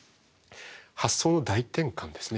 発想の大転換ですね。